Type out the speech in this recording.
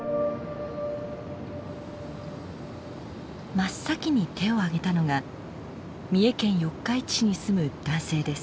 真っ先に手を挙げたのが三重県四日市市に住む男性です。